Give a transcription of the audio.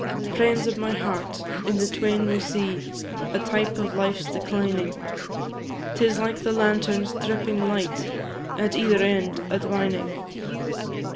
Friends of my heart! in the twain we see A type of life's declining; 'Tis like the lantern's dripping light, At either end a dwining.